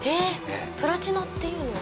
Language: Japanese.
プラチナっていうのは？